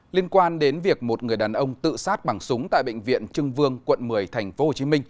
liên quan đến việc một người đàn ông tự sát bằng súng tại bệnh viện trưng vương quận một mươi tp hcm